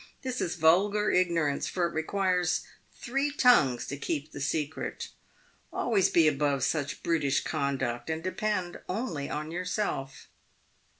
This is vulgar ignorance, for it requires three tongues to keep the secret. Always be above such brutish conduct, and depend only on yourself."